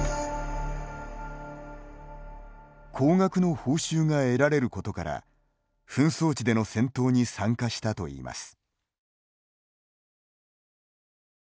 高額の報酬が得られることから紛争地での戦闘に参加したといいます。